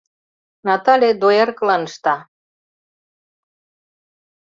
Натале дояркылан ышта.